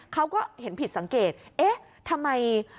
เขาก็เห็นผิดสังเกตเอ๊ะทำไม